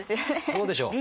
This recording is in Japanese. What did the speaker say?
どうでしょう？